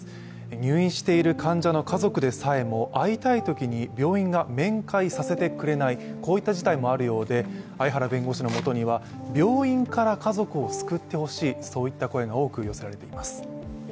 入院している患者の家族でさえも会いたいときに病院が面会させてくれない、こういった事態もあるようで、相原弁護士のもとには病院から家族を救ってほしいそういった声が多く寄せられています。